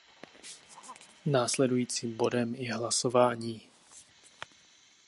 Nasledujícím bodem je hlasování.